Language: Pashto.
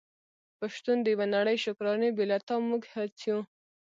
په شتون د يوه نړی شکرانې بې له تا موږ هيڅ يو ❤️